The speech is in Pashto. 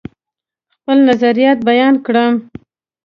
خپل نظریات بیان کړم.